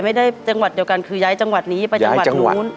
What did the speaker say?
จังหวัดเดียวกันคือย้ายจังหวัดนี้ไปจังหวัดนู้น